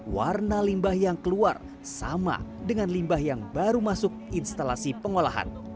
warna limbah yang keluar sama dengan limbah yang baru masuk instalasi pengolahan